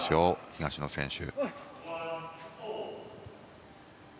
東野選手。